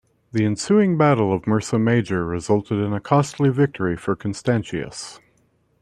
The ensuing Battle of Mursa Major resulted in a costly victory for Constantius.